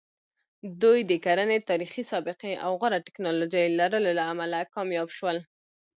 دوی د کرنې تاریخي سابقې او غوره ټکنالوژۍ لرلو له امله کامیاب شول.